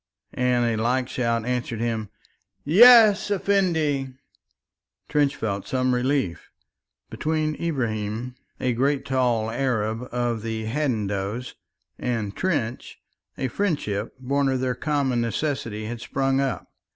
and a like shout answered him, "Yes, Effendi." Trench felt some relief. Between Ibrahim, a great tall Arab of the Hadendoas, and Trench, a friendship born of their common necessities had sprung up.